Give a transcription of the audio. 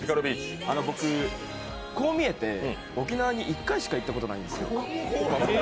僕、こう見えて沖縄に１回しか行ったことないんですよ。